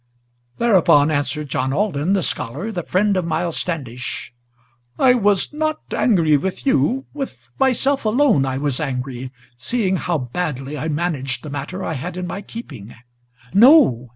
Thereupon answered John Alden, the scholar, the friend of Miles Standish: "I was not angry with you, with myself alone I was angry, Seeing how badly I managed the matter I had in my keeping." "No!"